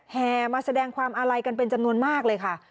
แห่มาแสดงความอาลัยกันเป็นจำนวนมากเลยค่ะ